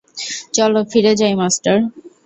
চলো ফিরে যাই, মাস্টার।